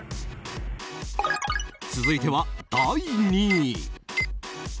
続いては、第２位。